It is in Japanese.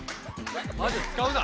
マジで使うな！